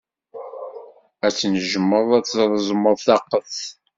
Ad tnejjmed ad treẓmed taqqet.